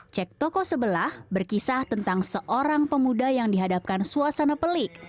cek toko sebelah berkisah tentang seorang pemuda yang dihadapkan suasana pelik